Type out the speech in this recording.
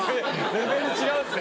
レベル違うんですよ。